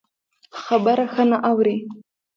خبره ښه نه اوري.